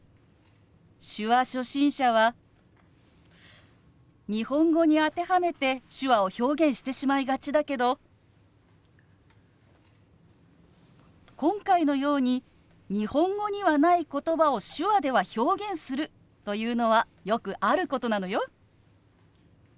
手話初心者は日本語に当てはめて手話を表現してしまいがちだけど今回のように日本語にはない言葉を手話では表現するというのはよくあることなのよ。